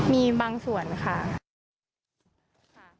มีบางส่วนค่ะ